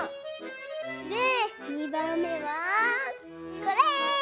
でにばんめはこれ！